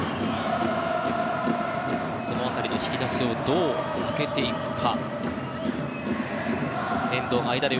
その辺りの引き出しをどう開けていくか。